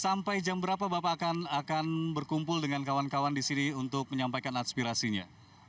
sampai jam berapa bapak akan berkumpul dengan kawan kawan di sini untuk menyampaikan aspirasinya